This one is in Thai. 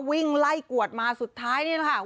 วิ่งไล่กวดมาสุดท้ายนี่แหละค่ะ